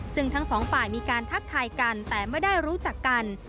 ซึ่งทั้งสองฝ่ายมีการทักทายกันแต่ไม่ได้รู้จักกัน